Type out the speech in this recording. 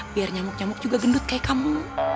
biar nyamuk nyamuk juga gendut kayak kamu